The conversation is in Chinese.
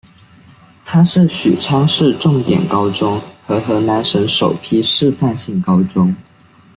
它是许昌市重点高中和河南省首批示范性高中。